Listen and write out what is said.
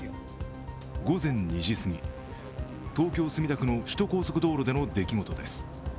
午前２時すぎ、東京・墨田区の首都高速道路での出来事です。